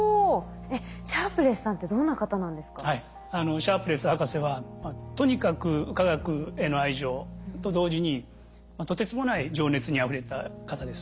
シャープレス博士はとにかく化学への愛情と同時にとてつもない情熱にあふれた方です。